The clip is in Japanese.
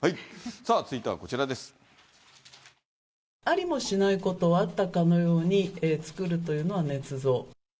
さあ、ありもしないことをあったかのように作るというのはねつ造。